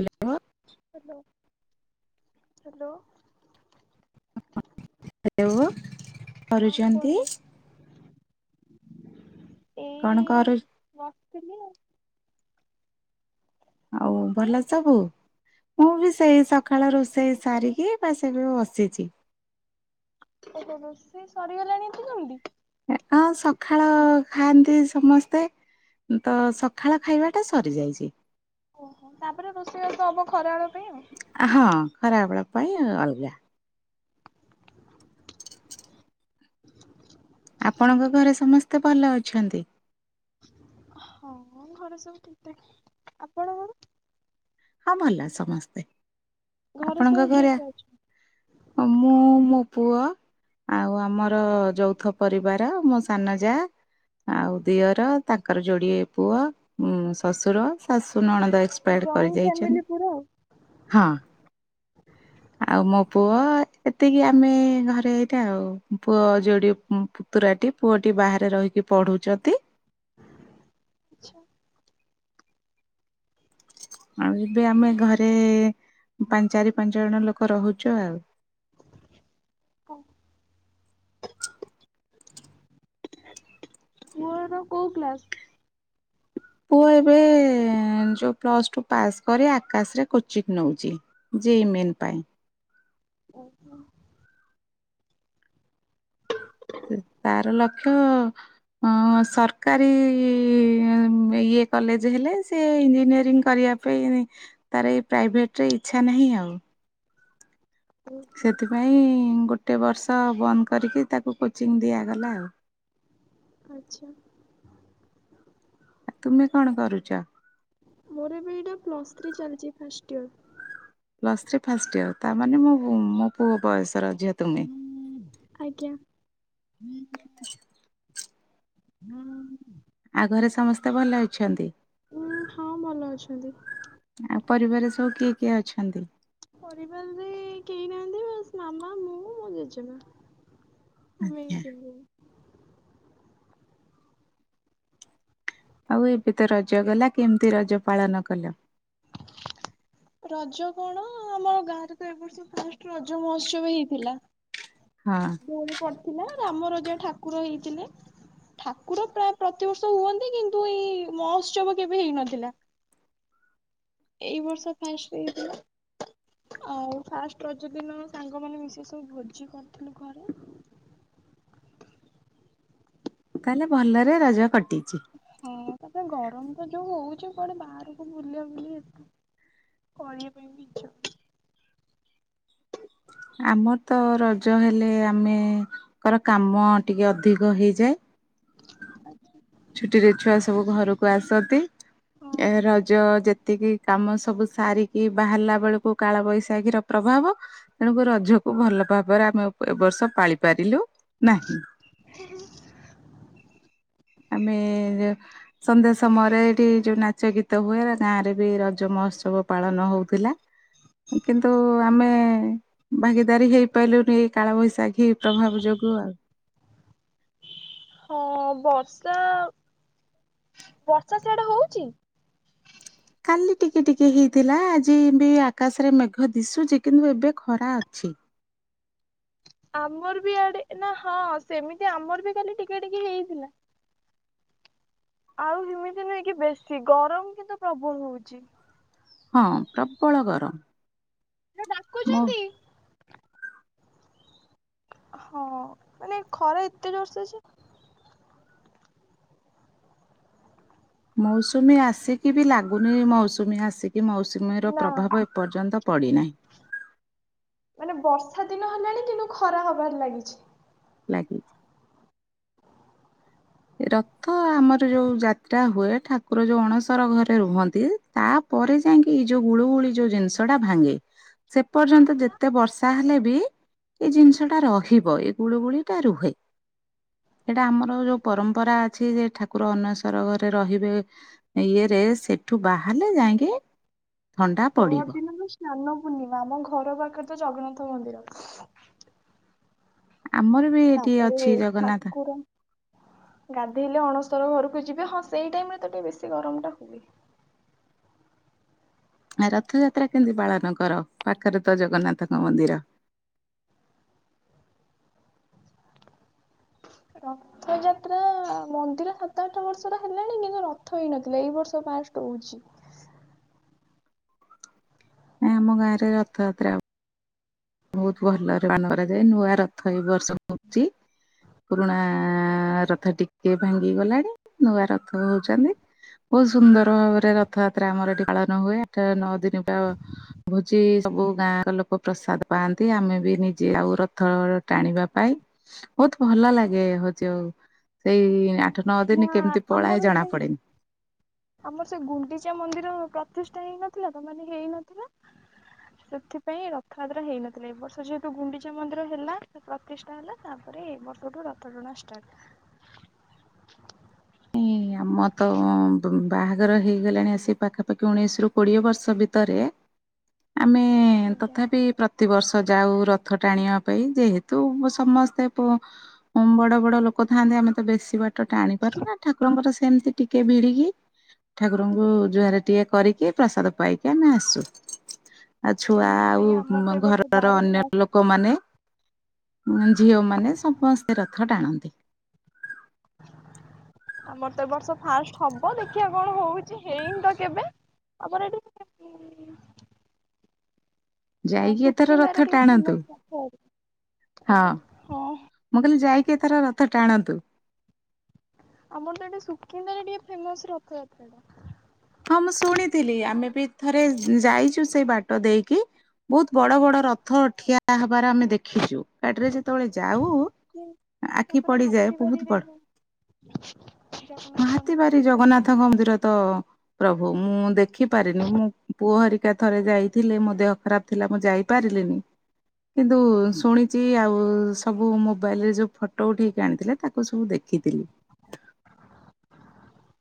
Hello. Hello hello. Hello ହଁ କରୁଚନ୍ତି। କୁହନ୍ତୁ କଣ କରୁ ବସଥିଲି ଆଉ। ଆଉ ଆପଣ? ଭଲ ସବୁ? ମୁଁ ବି ସେଇ ସଖାଳ ରୋଷେଇ ସାରିକି ବାସ୍ ଏବେ ବସିଛି। ଓ ହୋ ହୋ ରୋଷଇ ସରିଗଲାଣି ଏତେ ଜଲଦି। ହଁ ସଖାଳ ଖାଆନ୍ତି ସମସ୍ତେ। ତ ସଖାଳ ଖାଇବାଟା ସରିଯାଇଛି। ଓହୋ ତାପରେ ରୋଷେଇବାସ ହବ ଖରା ବେଳ ପାଇଁ ଆଉ ହଁ ଖରାବେଳ ପାଇଁ ଅଲଗା। ଆପଣଙ୍କ ଘରେ ସମସ୍ତେ ଭଲ ଅଛନ୍ତି? ହଁ ଘରେ ସବୁ ଠିକ ଠାକ୍ ଆପଣଙ୍କର? ହଁ ଭଲ ସମସ୍ତେ ଘରେ ଆପଣଙ୍କ ସବୁ କିଏ ଘରେ? କିଏ ଅଛନ୍ତି? ମଁ ମୋ ପୁଅ। ଆଉ ଆମର ଯୌଥ ପରିବାର ମୋ ସାନ ଯା ଆଉ ଦିଅର ତାଙ୍କର ଯୋଡିଏ ପୁଅ ଉ ଶଶୁର ଶାଶୁ ନଣନ୍ଦ ଏକ୍ସପାୟାର୍ଡ ଜଏଣ୍ଟ କରିଯାଇଛନ୍ତି। ଫ୍ୟାମିଲି ପୁରା। ହଁ। ଆଉ ମୋ ପୁଅ ଏତିକି ଆମେ ଘରେ ହେଇଥା ଆଉ ପୁଅ ଯୋଡ଼ିଏ ପ ତୁରାଟି ପୁଅଟି ବାହାରେ ରହିକି ପଢୁଛନ୍ତି। ଆଚ୍ଛା। ଆଉ ଏବେ ଆମେ ଘରେ ପାଞ୍ଚ ଚାରି ପାଞ୍ଚ ଜଣ ଲୋକ ରହୁଛୁ ଆଉ ପୁଅର କୋଉ କ୍ଲାସ? ପୁଅ ଏବେ ଯୋଉ ପ୍ଲସ୍ ଟୁ ପାସ୍ କରି ଆକାଶରେ କୋଚିଂ ନଉଛି ଯେ ଇ ମେନ୍ ପାଇଁ। ଓହ। ତାର ଲକ୍ଷ ହଁ ସରକାରୀ ଇଏ କଲେଜ ହେଲେ ସିଏ ଇଞ୍ଜିନିୟରିଂ କରିବା ପାଇଁ ତାର ଏଇ ପ୍ରାଇଭେଟରେ ଇଚ୍ଛା ନାହିଁ ଆଉ। ଓହୋ ସେଥିପାଇଁ ଗୋଟେ ବର୍ଷ ବନ୍ଦ କରିକି ତାକୁ କୋଚିଂ ଦିଆଗଲା ଆଉ ଆଚ୍ଛା। ଆଉ ତୁମେ କଣ କରୁଛ? ମୋର ଏବେ ଏଇଟା ପ୍ଲସ୍ ଥ୍ରୀ ଚାଲିଛି ଫାଷ୍ଟ ଇଅର। ପ୍ଲସ୍ର ଥ୍ରି ଫାଷ୍ଟ ଇଅର ତାମାନେ ମୁ ମୋ ପୁଅ ବୟସର ଝିଅ। ତୁମେ। ଆଜ୍ଞା। ହୁଁ। ଆଉ ଘରେ ସମସ୍ତେ ଭଲ ଅଛନ୍ତି? ଉଁ ହଁ ଭଲ ଅଛନ୍ତି। ଆଉ ପରିବାରରେ ସବୁ କିଏ କିଏ ଅଛନ୍ତି? ପରିବାରରେ କେହି ନାହାନ୍ତି ବାସ ମାମା ମୁଁ ମୋ ଜେଜେମା। ଆମେ ଏଇ ଥିଲୁ। ଆଉ ଏବେ ତ ରଜ ଗଲା କେମିତି ରଜ ପାଳନ କଲ? ରଜ କଣ ଆମ ଗାଁରେ ତ ଏବ ବର୍ଷ ଫାଷ୍ଟ ରଜ ମହୋତ୍ସବ ହେଇଥିଲା। ହଁ। ଦୋଳି ପଡିଥିଲା ରାମ ରାଜ ଠାକୁର ହେଇଥିଲେ। ଠାକୁର ପ୍ରାୟ ପ୍ରତିବର୍ଷ ହୁଅନ୍ତି କିନ୍ତୁ ଏଇ ମହୋତ୍ସବ କେବେ ହେଇନଥିଲା। ଏଇ ବର୍ଷ ଫାଷ୍ଟ ହେଇଥିଲା। ଆଉ ଫାଷ୍ଟ ରଜ ଦିନ ସାଙ୍ଗମାନେ ମିଶି ସବୁ ଭୋଜି କରିଥିଲୁ ଘରେ। ତାହେଲେ ଭଲରେ ରଜ କଟିଛି। ହଁ ତାପରେ ଗରମ ତ ଯୋଉ ହଉଛି କୁଆଡେ ବାହାରକୁ ବୁଲା ବୁଲି ଏତେ କରିବା ପାଇଁ ବି ଇଚ୍ଛା [inaudible] ଆମର ତ ରଜ ହେଲେ ଆମେ ଙ୍କର କାମ ଟିକେ ଅଧିକ ହେଇଯାଏ। [inaudible] ଛୁଟିରେ ଛୁଆ ସବୁ ଘରକୁ ଆସନ୍ତି। ଏ ହଁ ରଜ ଯେତିକି କାମ ସବୁ ସାରିକି ବାହାରିଲା ବେଳକୁ କାଳବୈଶାଖୀ ର ପ୍ରଭାବ ତେଣୁକୁ ରଜକୁ ଭଲ ପା ଏବରେ ଆମେ ଏବ ବର୍ଷ ପାଳି ପାରିଲୁ ନାହିଁ। [inaudible] ଆମେ ଯଉ ସନ୍ଧ୍ୟା ସମୟରେ ଏଇଠି ଯୋଉ ନାଚ ଗୀତ ହୁଏ ଗାଁ ରେ ବି ରଜ ମହୋତ୍ସବ ପାଳନ ହଉଥିଲା କିନ୍ତୁ ଆମେ ଭାଗିଦାରୀ ହେଇପାରିଲୁନି ଏଇ କାଳବୈଶାଖୀ ପ୍ରଭାବ ଯୋଗୁ ଆଉ। ହଁ ବର୍ଷା ବର୍ଷା ସିଆଡେ ହଉଛି। କାଲି ଟିକେ ଟିକେ ହେଇଥିଲା ଆଜି ବି ଆକାଶରେ ମେଘ ଦିଶୁଛି କିନ୍ତୁ ଏବେ ଖରା ଅଛି। ଆମର ବି ଇଆଡେ ନା ହଁ ସେମିତି ଆମର ବି ଖାଲି ଟିକେ ଟିକେ ହେଇଥିଲା। ଆଉ ହେମିତି ନୁହେଁ କି ବେଶୀ ଗରମ କିନ୍ତୁ ପ୍ରବଳ ହଉଛି। ହଁ ପ୍ରବଳ ଗରମ ମୋ ଡାକୁଛନ୍ତି। ହଁ ମାନେ ଖରା ଏତେ ଜୋରସେ ଯେ ମୌସୁମୀ ଆସିକି ବି ଲାଗୁନି ମୌସୁମୀ ଆସିକି କି ମୌସୁମୀର ନା ପ୍ରଭାବ ଏପର୍ଯ୍ୟନ୍ତ ପଡ଼ିନାହିଁ। ମାନେ ବର୍ଷା ଦିନ ହେଲାଣି କିନ୍ତୁ ଖରା ହବାରେ ଲାଗିଛି। ଲାଗିଛି। ରଥ ଆମର ଯୋଉ ଯାତ୍ରା ହୁଏ ଠାକୁର ଯୋଉ ଅଣସର ଘରେ ରୁହନ୍ତି ତାପରେ ଯାଇକି ଏଇ ଯୋଉ ଗୁଳୁ ଗୁଳି ଯୋଉ ଜିନିଷ ଟା ଭାଙ୍ଗେ। ସେ ପର୍ଯ୍ୟନ୍ତ ଯେତେ ବର୍ଷା ହେଲେ ବି ଏଇ ଜିନିଷ ଟା ରହିବ ଏଇ ଗୁଳୁଗୁଳି ଟା ରୁହେ ଏଇଟା ଆମର ଯୋଉ ପରମ୍ପରା ଅଛି ଯେ ଠାକୁର ଅନୱସ୍ଵର ଘରେ ରହିବେ ଇଏରେ ସେ ଏଠୁ ବାହାରିଲେ ଯାଇକି ଥଣ୍ଡା ପହର ପଡ଼ିବ। ଦିନ ତ ସ୍ନାନ ପୂର୍ଣ୍ଣିମା ଆମ ଘର ପାଖରେ ତ ଜଗନ୍ନାଥ ମନ୍ଦିର ଆମର ବି ଏଠି ତାପରେ ଅଛି ଜଗନ୍ନାଥ ଠାକୁର ଗାଧେଇଲେ ଅଣସର ଘରକୁ ଯିବେ ହଁ ସେଇ ଟାଇମ ରେ ତ ଟିକେ ବେଶୀ ଗରମ ଟା ହୁଏ। ରଥଯାତ୍ରା କେମିତି ପାଳନ କର ପାଖରେ ତ ଜଗନ୍ନାଥଙ୍କ ମନ୍ଦିର? ରଖ ରଥଯାତ୍ରା ମନ୍ଦିର ସାତ ଆଠ ବର୍ଷର ହେଲାଣି କିନ୍ତୁ ରଥ ହେଇନଥିଲା ଏଇ ବର୍ଷ ପାଷ୍ଟ ହଉଛି। ନାଇ ଆମ ଗାଁରେ ରଥଯାତ୍ର ହୁ ବହୁତ ଭଲରେ ପାନ କରାଯାଏ ନୂଆ ରଥ ଏ ବର୍ଷ ହଉଛି। ପୁରୁଣା ରଥ ଟିକେ ଭାଙ୍ଗି ଗଲାଣି ନୂଆ ରଥ ହଉଛନ୍ତି। ବହୁତ ସୁନ୍ଦର ଭାବରେ ରଥଯାତ୍ରା ଆମର ଏଠି ପାଳନ ହୁଏ ଆଠ ନଅ ଦିନ ର ଭୋଜି ସବୁ ଗାଁ ଲୋକ ପ୍ରସାଦ ପାଆନ୍ତି ଆମେ ବି ନିଜେ ଆଉ ରଥ ଟାଣିବା ପାଇଁ ବହୁତ ଭଲ ଲାଗେ ହଉଛି ଆଉ ସେଇ ଆଠ ନଅ ନା ଦିନ କେମିତି ଆମର ପଳାଏ ଜଣା ସେଇ ପଡେନି। ଆମର ସେ ଗୁଣ୍ଡିଚା ମନ୍ଦିର ପ୍ରତିଷ୍ଠା ହେଇନଥିଲା ତ ମାନେ ହେଇନଥିଲା ସେଥିପାଇଁ ରଥଯାତ୍ରା ହେଇନଥିଲା ଏ ବର୍ଷ ଯେହେତୁ ଗୁଣ୍ଡିଚା ମନ୍ଦିର ହେଲା ପ୍ରତିଷ୍ଠା ହେଲା ତାପରେ ଏ ବର୍ଷଠୁ ରଥ ଟଣା ଷ୍ଟାର୍ଟ। ଆମ ତ ବାହାଘର ହେଇଗଲାଣି ଆସି ପାଖାପାଖି ଉଣେଇଶି ରୁ କୋଡିଏ ବର୍ଷ ଭିତରେ ଆମେ ଆଜ୍ଞା ତଥାପି ପ୍ର ପ୍ରତିବର୍ଷ ଯାଉ ରଥ ଟାଣିବା ପାଇଁ ଯେହେତୁ ସମସ୍ତେ ପୁଅ ବଡ ବଡ ଲୋକ ଥାନ୍ତି ଆମେ ତ ବେଶୀ ବାଟ ଟାଣି ପାରୁନା ଠା ମୋର ସେମିତି ଟିକେ ବିଡିିଗି। ଠାକୁରଙ୍କୁ ଜୁହାରେ ଟିଏ କରିକି ପ୍ରସାଦ ପାଇକି ଆମେ ଆସୁ। ଆଉ ଛୁଆ ନାଇଁ ଆମର ଆଉ ତ ଏ ବର୍ଷ ଘରର ଗାଁରେ ଅନ୍ୟ ଫାଷ୍ଟ ଲୋକମାନେ ଉଁ ଝିଅମାନେ ସମସ୍ତେ ରଥ ଟାଣନ୍ତି। ଆମର ତ ଏ ବର୍ଷ ଫାଷ୍ଟ ହବ ଦେଖିବା କଣ ହଉଛି ହେଇନି ତ କେବେ ଆମର ଏଠି। ଅ ଯାଇକି ଏଥର ରଥ ସୁକିନ୍ଦାରେ ଟିକେ ଟାଣନ୍ତୁ ଫେମସ୍ ହଁ ଆଜ୍ଞା ହଁ। ମୁଁ କହିଲି ଯାଇକି ଏଥର ରଥ ଟାଣନ୍ତୁ। ଆମର ତ ଏଠି ସୁକିନ୍ଦାରେ ଟିକେ ଫେମସ ରଥଯାତ୍ରାଟା। ହଁ ମୁଁ ଶୁଣିଥିଲି ଆମେ ବି ଥରେ ଯାଇଛୁ ସେଇ ବାଟ ଦେଇକି। ବହୁତ୍ ବଡ ବଡ ରଥ ଠିଆ ହବାର ଆମେ ଦେଖିଛୁ। ଗାଡିରେ ଯେତେବେଳେ ଯାଉ ଆଖି ତାପରେ ପଡିଯାଏ ବହୁତ୍ ହାତୀବାରିରେ ବଡ। ଯୋଉ ଜଗନ୍ନାଥ ହଁ ମନ୍ଦିର ହାତୀବାରି ସେଠି ଜଗନ୍ନାଥଙ୍କ ମନ୍ଦିର ତ ପ୍ରଭୁ ମୁଁ ଦେଖିପାରିନି ମୋ ପୁଅ ହରିକା ଥରେ ଯାଇଥିଲେ ମୋ ଦେହ ଖରାପ ଥିଲା ମୁଁ ଯାଇପାରିଲିନି। କିନ୍ତୁ ଶୁଣିଛି ଆଉ ସବୁ ମୋବାଇଲରେ ଯୋଉ ଫଟୋ ଫଟୋ ଉଠେଇକି ଆଣିଥିଲେ ତାକୁ ସବୁ ଦେଖିଥିଲି।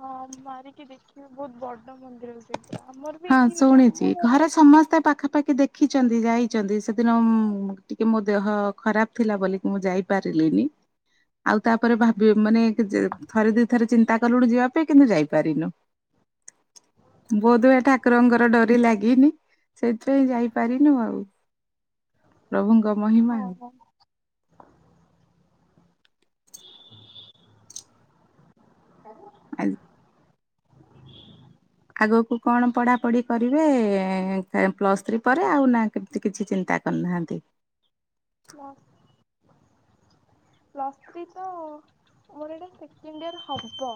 ହଁ ମାରିକି ଦେଖିବେ ବହୁତ ବଡ ମନ୍ଦିର ସେ ସେ ପୁରା ଆମର ବି ହଁ ଏଠି ଶୁଣିଛି ଆମ ଘରେ ସମସ୍ତେ ପାଖାପାଖି ଦେଖି ଖିଛନ୍ତି ଯାଇଛନ୍ତି ସେଦିନ ମ୍ ଟିକେ ମୋ ଦେହ ଖରାପ ଥିଲା ବୋଲିକି ମୁଁ ଯାଇପାରିଲିନି। ଆଉ ତାପରେ ଭାବି ମାନେ କିଛି ଥରେ ଦୁଇଥରେ ଚିନ୍ତା କଲୁଣି ଯିବା ପାଇଁ କିନ୍ତୁ ଯାଇପାରିନୁ। ବୋଧ୍ ହୁଏ। ଠାକୁରଙ୍କର ଡୋରି ଲାଗିନି ସେଥିପାଇଁ ଯାଇପାରିନୁ ଆଉ। ପ୍ରଭୁଙ୍କ ହଁ ମହିମା। ହଁ [inaudible] ଆଗକୁ କଣ ପଢ଼ାପଢ଼ି କରିବେ ପ୍ଲସ୍ ଥ୍ରୀ ପରେ ଆଉ ନା ସେମିତି କିଛି ଚିନ୍ତା କରିନାହାନ୍ତି। [inaudible] ପ୍ଲସ୍ ଥ୍ରୀ ତ ମୋର ଏଇଟା ସେକେଣ୍ଡ ୟର୍ ହବ।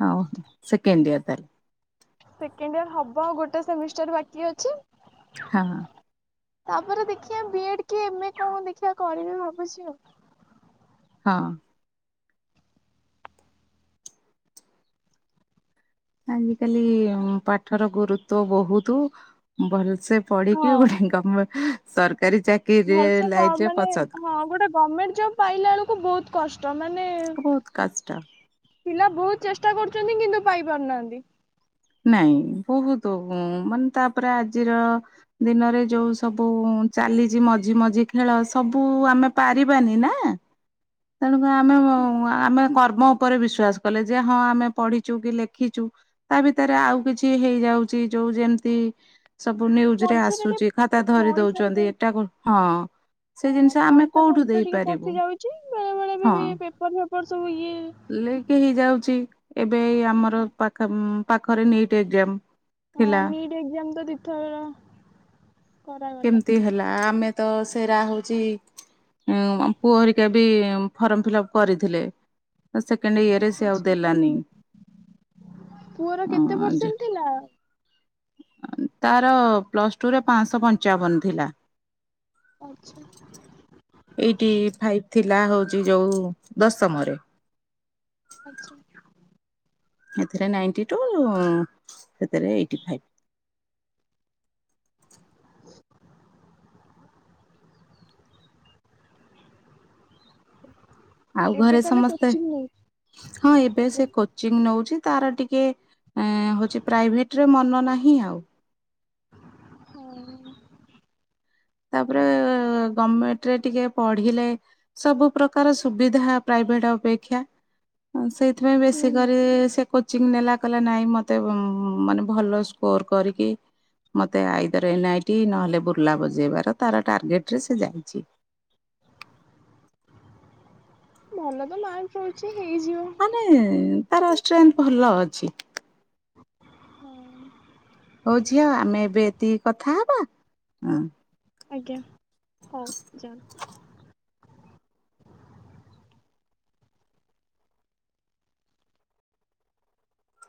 ହଉ ସେକେଣ୍ଡ ୟର୍ ତାହାଲେ। ସେକେଣ୍ଡ ଇୟର୍ ହବ ଆଉ ଗୋଟେ ସେମିଷ୍ଟାର ବାକି ଅଛି। ହଁ ହଁ। ତାପରେ ଦେଖିବା ବି ଏଡ୍ କି ଏମ୍ ଏ କଣ ମୁଁ ଦେଖିବା କରିବି ଭାବୁଛି ଆଉ। ହଁ। ଆଜିକାଲି ପାଠର ଗୁରୁତ୍ୱ ବହୁତୁ ଭଲସେ ପଢିକି ହଁ ଗୋଟେ ଗମ୍ ସରକାରୀ ଚାକି ଭଲସେ କ ମାନେ ହଁ ଗୋଟେ ଗମେଣ୍ଟ ଜବ୍ ପାଇଲା ବେଳକୁ ବହୁତ୍ କଷ୍ଟ ମାନେ ବହୁତ କଷ୍ଟ ପିଲା ବହୁତ ଚେଷ୍ଟା କରୁଛନ୍ତି କିନ୍ତୁ ପାଇ ପାରୁନାହାନ୍ତି। ନାଇଁ ବହୁତ୍ ମାନେ ତାପରେ ଆଜିର ଦିନରେ ଯୋଉ ସବୁ ଚାଲିଛି ମଝିମଝି ଖେଳ ସବୁ ଆମେ ପାରିବାନି ନା। [inaudible] ତେଣୁକରି ଆମେ ଉଁ ଆମେ କର୍ମ ଉପରେ ବିଶ୍ଵାସ କଲେ ଯେ ହଁ ଆମେ ପଢିଚୁ କି ଲେଖିଚୁ। ଏଥିରେ ଆଉ କିଛି ହେଇଯାଉଚି ଯୋଉ ଯେମିତି ସବୁ ନ୍ୟୁଜ୍ ରେ ମଝିରେ ଆସୁଚି ଖାତା ଟିକେ ଧରି ପଇସା ଦଉଚନ୍ତି ଏଟାକୁ ହଁ। ସେ ହଁ ଜିନିଷ ଆମେ ପଇସା କୋଉଠୁ ପତ୍ର ଟିକେ ଦେଇପାରିବୁ ପଶି ଯାଉଚି ବେଳେ ବେଳେ ବି ଏ ପେପର ଫେପର ସବୁ ଇଏ ଲିକ୍ ହେଇଯାଉଚି ଏବେ ଏଇ ଆମର ପାଖ ପାଖରେ ନିଟ୍ ଏକ୍ଜାମ। ହଁ ଥିଲା ନିଟ୍ ଏକ୍ଜାମ ତ ଦି ଥର। କେମତି ହେଲା ଆମେ ତ ସେରା ହଉଚି ଉଁ ପୁଅ ହେରିକା ବି ଫର୍ମ ଫିଲପ୍ କରିଥିଲେ। ତ ସେକଣ୍ଡେ ଇଏରେ ସେ ଆଉ ଆଚ୍ଛା ଦେଲାନି। ପୁଅର କେତେ ପରସେଣ୍ଟ ଥିଲା? ତାର ପ୍ଲସ୍ ଟୁରେ ପାଁଶହ ପଞ୍ଚାବନ ଥିଲା। ଆଛା ଏଇଟି ଫାଇପ୍ ଥିଲା ହୋଉଛି ଯୋଉ ଦଶମରେ। ଆଚ୍ଛା ଏଥିରେ ନାଇଣ୍ଟି ଟୁ ସେଥିରେ ଏଇଟି ଫାଇପ୍। [unintelligible] ଆଉ ଘରେ ଏବେ ତାହେଲେ ସମସ୍ତେ, କୋଚିଂ ନଉଛି ହଁ ଏବେ ଆଜ୍ଞା ସେ କୋ କୋଚିଂ ନଉଛି ତାର ଟିକେ ହଉଛି ପ୍ରାଇଭେଟରେ ମନ ନାହିଁ ଆଉ। ହୁଁ ତାପରେ ଗମେଟେରେ ଟିକେ ପଢିଲେ ସବୁ ପ୍ରକାର ସୁବିଧା ପ୍ରାଇଭେଟ ଅପେକ୍ଷା। ସେଇଥିପାଇଁ ବେଶୀ ହୁଁ କରି ସେ କୋଚିଂ ନେଲା କଇଲା ନାଇଁ ମତେ ମାନେ ଭଲ ସ୍କୋର କରିକି ମତେ ଆଇଦର ଏନ ଆଇ ଟି ନହେଲେ ବୁର୍ଲା ବଜେଇବାର ତାର ଟାର୍ଗେଟ ରେ ସେ ଯାଇଛି। ଭଲ ତ ମାର୍କ ରହୁଛି ହେଇଯିବ। ମାନେ ତାର ଷ୍ଟ୍ରେନ୍ତ ଭଲ ଅଛି। ହଁ ହଉ ଝିଅ ଆମେ ଏବେ ଏତିକି କଥା ହେବା ହଁ। ଆଜ୍ଞା ହଉ ଯାଅ।